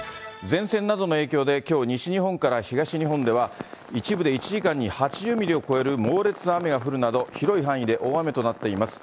前線などの影響で、きょう、西日本から東日本では一部で１時間に８０ミリを超える猛烈な雨が降るなど、広い範囲で大雨となっています。